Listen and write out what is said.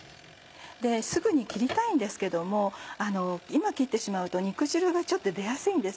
すぐに切りたいんですけども今切ってしまうと肉汁が出やすいんです。